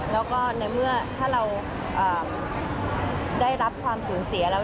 แล้วก็ในเมื่อถ้าเราได้รับความสูญเสียแล้ว